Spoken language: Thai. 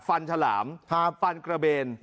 ฉลามฟันกระเบน